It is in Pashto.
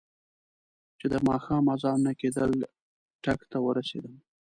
چې د ماښام اذانونه کېدل ټک ته ورسېدم.